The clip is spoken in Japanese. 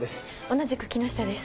同じく木下です。